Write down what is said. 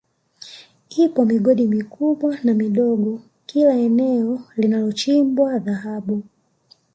Ipo migodi mikubwa na midogo kila eneo linalochimbwa Dhahabu